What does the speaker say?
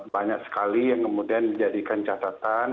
banyak sekali yang kemudian dijadikan catatan